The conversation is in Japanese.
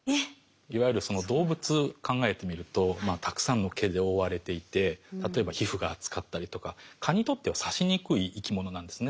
いわゆる動物考えてみるとたくさんの毛で覆われていて例えば皮膚が厚かったりとか蚊にとっては刺しにくい生き物なんですね。